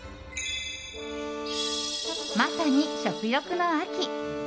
まさに食欲の秋。